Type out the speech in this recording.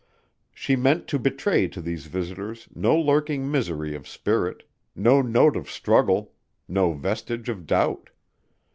She meant to betray to these visitors no lurking misery of spirit; no note of struggle; no vestige of doubt.